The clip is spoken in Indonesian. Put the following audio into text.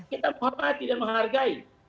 kita menghormati dan menghargai